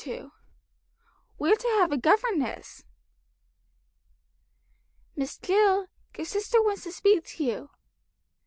II "WE'RE TO HAVE A GOVERNESS" "Miss Jill, your sister wants to speak to you."